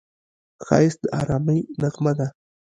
ښایست د ارامۍ نغمه ده